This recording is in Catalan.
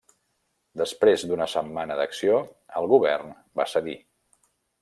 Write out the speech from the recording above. Després d'una setmana d'acció, el govern va cedir.